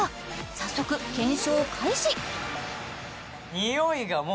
早速検証開始